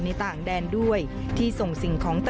ในต่างแดนด้วยที่ส่งสิ่งของ